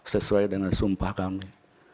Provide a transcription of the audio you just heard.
sesuai dengan sumpah kami